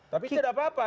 tapi tidak apa apa